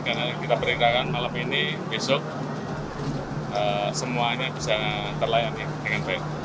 karena kita perintahkan malam ini besok semuanya bisa terlayan dengan baik